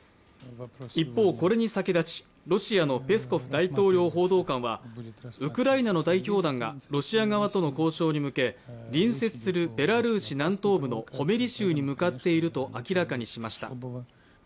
一方、これに先立ちロシアのペスコフ大統領報道官はウクライナの代表団がロシア側との交渉に向け隣接するベラルーシ南東部のホメリ州に向かっていると明らかにしました。